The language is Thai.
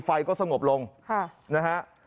ไฟก็สงบลงนะฮะ